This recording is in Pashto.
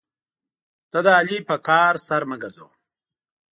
ته د علي په کار سر مه ګرځوه.